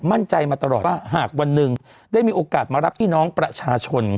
มั่นใจมาตลอดว่าหากวันหนึ่งได้มีโอกาสมารับพี่น้องประชาชน